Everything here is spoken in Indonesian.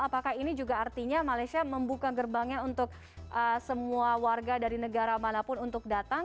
apakah ini juga artinya malaysia membuka gerbangnya untuk semua warga dari negara manapun untuk datang